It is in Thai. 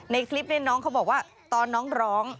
ในคลิปนี้น้องเขาบอกว่าตอนน้องร้อง